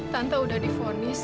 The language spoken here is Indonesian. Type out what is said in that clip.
tante udah difonis